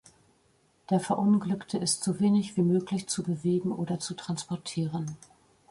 Der Verunglückte ist so wenig wie möglich zu bewegen oder zu transportieren.